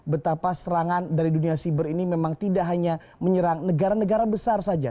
betapa serangan dari dunia siber ini memang tidak hanya menyerang negara negara besar saja